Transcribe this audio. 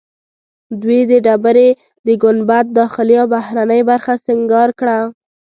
دوی د ډبرې د ګنبد داخلي او بهرنۍ برخه سنګار کړه.